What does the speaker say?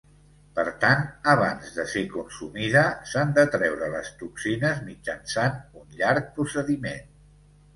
Per tant abans de ser consumida s'han de treure les toxines mitjançant un llarg procediment.